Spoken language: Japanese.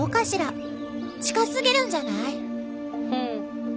近すぎるんじゃない？